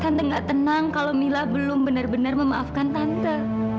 tante gak tenang kalau mila belum benar benar memaafkan tante